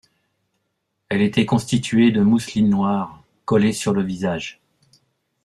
Elle était constituée de mousseline noire, collée sur le visage.